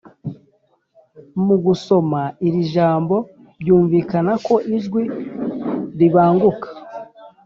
mu gusoma iri jambo byumvikana ko ijwi ribanguka